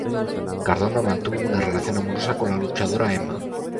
Cardona mantuvo una relación amorosa con la luchadora Emma.